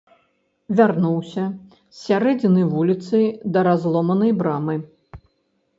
Вярнуўся з сярэдзіны вуліцы да разломанай брамы.